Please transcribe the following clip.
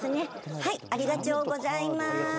はいありがちょうございまーす。